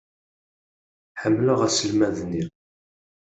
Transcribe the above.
Ḥemmleɣ aselmad-nni.